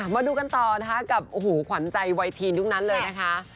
มาดูกันต่อกับขวัญใจวัยทีนทุกนั้นเลยนะคะ